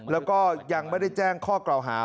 แล้วก็ยังไม่ได้แจ้งข้อกล่าวหา